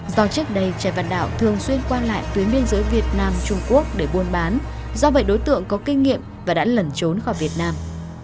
do trước đây trẻ văn đạo thường xuyên quan lại tuyến biên giới việt nam trung quốc để buôn bán do vậy đối tượng có kinh nghiệm và đã lẩn trốn khỏi việt nam